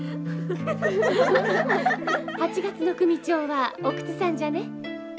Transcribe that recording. ８月の組長は奥津さんじゃね？